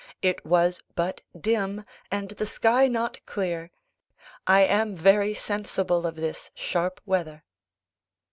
It was but dim, and the sky not clear.... I am very sensible of this sharp weather.